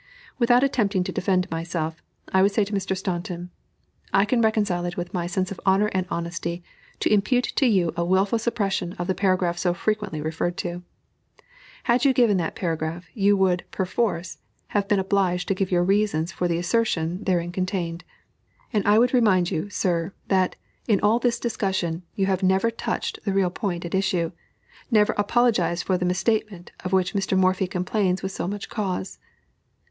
Without attempting to defend myself, I would say to Mr. Staunton: "I can reconcile it with my sense of honor and honesty, to impute to you a wilful suppression of the paragraph so frequently referred to. Had you given that paragraph, you would, per force, have been obliged to give your reasons for the assertion therein contained. And I would remind you, sir, that, in all this discussion, you have never touched the real point at issue never apologized for the misstatement of which Mr. Morphy complains with so much cause.